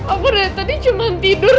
aku dari tadi cuman tidur